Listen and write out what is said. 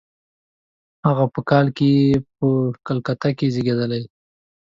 هغه په کال کې په کلکته کې زېږېدلی دی.